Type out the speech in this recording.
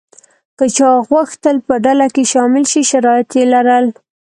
که چا غوښتل په ډله کې شامل شي شرایط یې لرل.